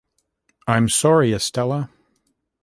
I’m sorry, Estela